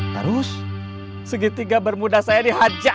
terus segitiga bermuda saya dihajak